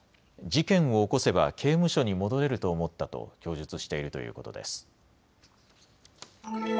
事件を起こせば刑務所に戻れると思ったと供述しているということです。